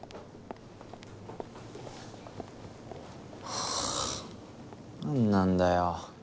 はあ何なんだよ。